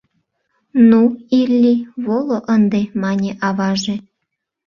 — Ну, Илли, воло ынде, — мане аваже.